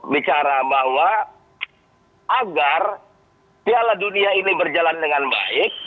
bicara bahwa agar piala dunia ini berjalan dengan baik